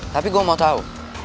tapi gue mau tau